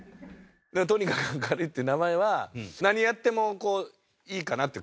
だからとにかく明るいっていう名前は何やってもいいかなって感じがあったんですね。